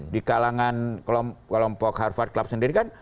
di kalangan kelompok harvard club sendiri kan